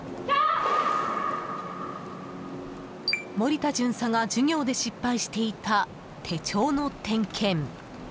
森田巡査が授業で失敗していた手帳の点検。